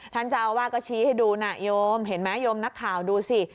ท่านเจ้าอาวาสก็ชี้ให้ดูนะโยมเห็นไหมโยมนักข่าวดูสิ